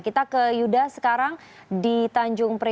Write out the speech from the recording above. kita ke yuda sekarang di tanjung prio